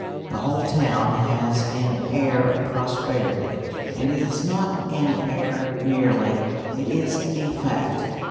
The whole town has an air of prosperity, and it is not an air merely it is a fact.